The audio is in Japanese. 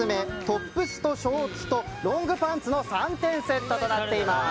トップスとショーツとロングパンツの３点セットとなっています。